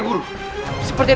buat it sitaan